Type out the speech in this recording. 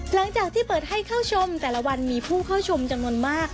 หลังจากที่เปิดให้เข้าชมแต่ละวันมีผู้เข้าชมจำนวนมาก